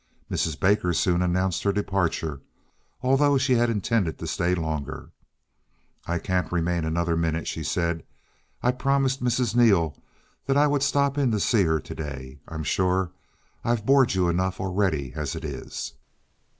Mrs. Baker soon announced her departure, although she had intended to stay longer. "I can't remain another minute," she said; "I promised Mrs. Neil that I would stop in to see her to day. I'm sure I've bored you enough already as it is."